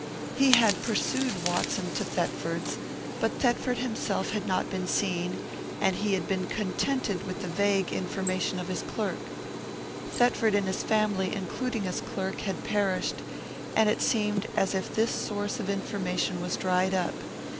He had pursued Watson to Thetford's; but Thetford himself had not been seen, and he had been contented with the vague information of his clerk. Thetford and his family, including his clerk, had perished, and it seemed as if this source of information was dried up.